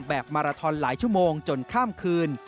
มาราทอนหลายชั่วโมงจนข้ามคืน